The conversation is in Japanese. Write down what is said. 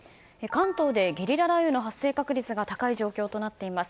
関東でゲリラ雷雨の発生確率が高い状況となっています。